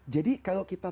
jadi kalau kita